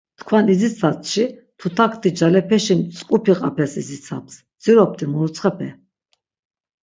Tkvan idzitsatşi tutakti calepeşi mtzǩupi qapes idzitsaps, dziropti muruntsxepe?